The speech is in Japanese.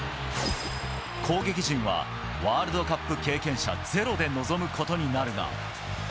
攻撃陣はワールドカップ経験者ゼロで臨むことになるが。